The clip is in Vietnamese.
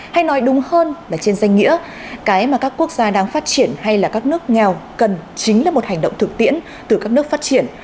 hay nói đúng hơn là trên danh nghĩa cái mà các quốc gia đang phát triển hay là các nước nghèo cần chính là một hành động thực tiễn từ các nước phát triển